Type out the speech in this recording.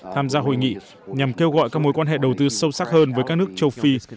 tham gia hội nghị nhằm kêu gọi các mối quan hệ đầu tư sâu sắc hơn với các nước châu phi